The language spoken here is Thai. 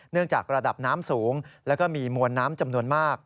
เนื่องจากระดับน้ำสูงและมีมวลน้ำจำนวนมาก